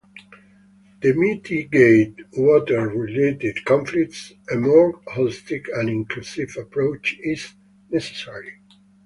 To mitigate water-related conflicts, a more holistic and inclusive approach is necessary.